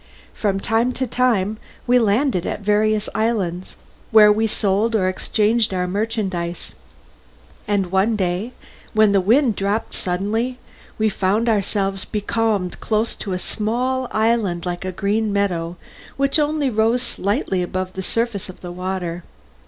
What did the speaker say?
From time to time we landed at various islands, where we sold or exchanged our merchandise, and one day, when the wind dropped suddenly, we found ourselves becalmed close to a small island like a green meadow, which only rose slightly above the surface of the water.